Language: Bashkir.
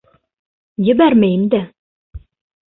Ебәрмәйем дә!